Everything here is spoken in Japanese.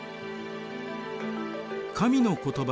神の言葉